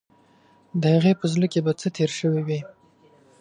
د هغې په زړه کې به څه تیر شوي وي.